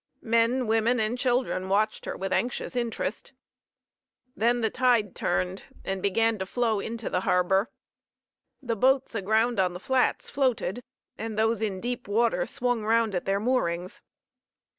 Men, women and children watched her with anxious interest. Then the tide turned and began to flow into the harbor. The boats aground on the flats floated, and those in deep water swung round at their moorings.